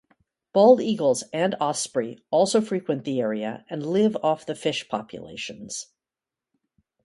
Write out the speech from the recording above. Bald eagles, and osprey also frequent the area and live off the fish populations.